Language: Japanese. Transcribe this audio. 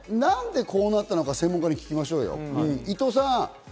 なんでこうなったのか専門家に聞きましょうよ、伊藤さん。